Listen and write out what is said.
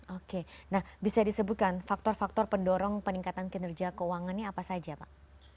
oke nah bisa disebutkan faktor faktor pendorong peningkatan kinerja keuangannya apa saja pak